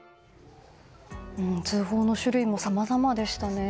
通報の種類もさまざまでしたね。